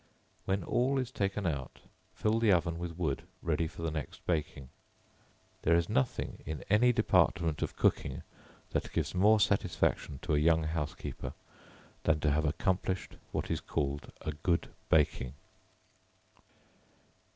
When all is taken out, fill the oven with wood ready for the next baking. There is nothing in any department of cooking that gives more satisfaction to a young housekeeper than to have accomplished what is called a good baking.